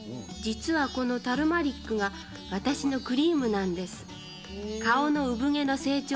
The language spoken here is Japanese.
実はこのタルマリックが、私のクリームなんです。